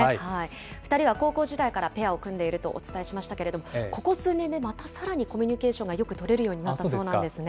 ２人は高校時代からペアを組んでいるとお伝えしましたけれども、ここ数年でまたさらにコミュニケーションがよく取れるようになったそうなんですね。